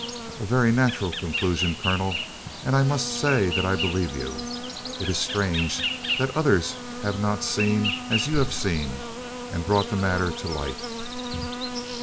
"A very natural conclusion, Colonel, and I must say that I believe you. It is strange that others have not seen as you have seen and brought the matter to light."